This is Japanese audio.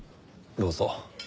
どうぞ。